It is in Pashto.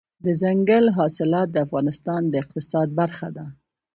دځنګل حاصلات د افغانستان د اقتصاد برخه ده.